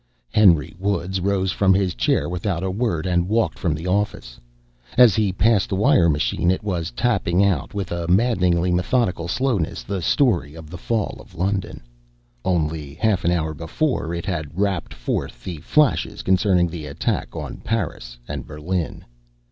Henry Woods rose from his chair without a word and walked from the office. As he passed the wire machine it was tapping out, with a maddeningly methodical slowness, the story of the fall of London. Only half an hour before it had rapped forth the flashes concerning the attack on Paris and Berlin.